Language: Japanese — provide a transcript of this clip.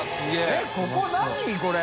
えっここ何？これ。